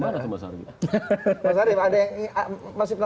mas arief masih penasaran dengan mbak fajra